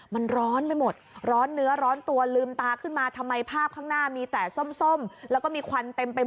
มันร้อนไปหมดร้อนเนื้อร้อนตัวลืมตาขึ้นมา